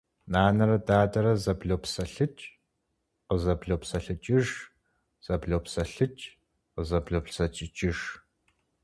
Нанэрэ дадэрэ зэблопсэлъыкӏ – къызэблопсэлъыкӏыж, зэблопсэлъыкӏ – къызэблопсэлъыкӏыж.